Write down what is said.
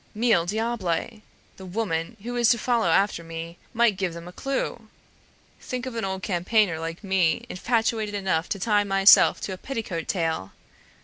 Mille diables! the woman who is to follow after me might give them a clew! Think of an old campaigner like me infatuated enough to tie myself to a petticoat tail!...